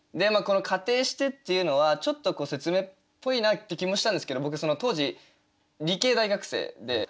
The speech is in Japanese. この「仮定して」っていうのはちょっと説明っぽいなって気もしたんですけど僕当時理系大学生で。